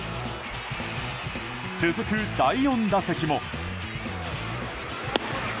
続く第４打席も。